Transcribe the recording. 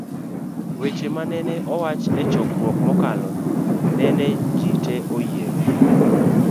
Weche manene owach e Chokruogno mokalo nene jite oyiego